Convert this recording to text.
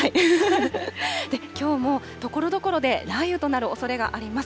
で、きょうもところどころで雷雨となるおそれがあります。